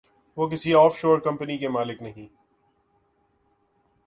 وہ کسی offshore company کے مالک نہیں۔